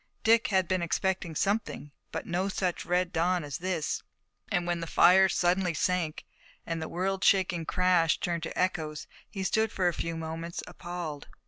Dick had been expecting something, but no such red dawn as this, and when the fires suddenly sank, and the world shaking crash turned to echoes he stood for a few moments appalled.